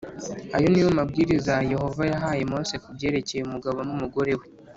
Ayo ni yo mabwiriza Yehova yahaye Mose ku byerekeye umugabo n’umugore we